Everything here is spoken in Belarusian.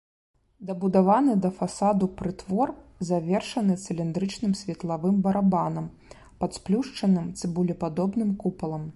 Дабудаваны да фасаду прытвор завершаны цыліндрычным светлавым барабанам пад сплюшчаным цыбулепадобным купалам.